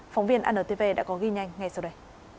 phóng viên antv đã có ghi nhanh ngay sau đây